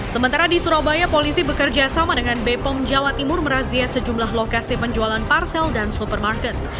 sementara di surabaya polisi bekerja sama dengan bepom jawa timur merazia sejumlah lokasi penjualan parsel dan supermarket